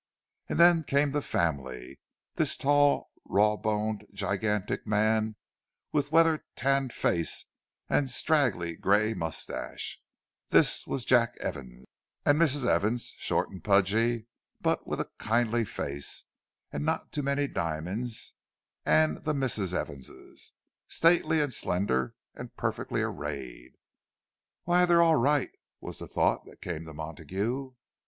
And then came the family: this tall, raw boned, gigantic man, with weather tanned face and straggling grey moustache—this was Jack Evans; and Mrs. Evans, short and pudgy, but with a kindly face, and not too many diamonds; and the Misses Evans,—stately and slender and perfectly arrayed. "Why, they're all right!" was the thought that came to Montague.